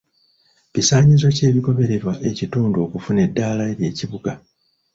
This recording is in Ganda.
Bisaanyizo ki ebigobererwa ekitundu okufuna eddaala ery'ekibuga?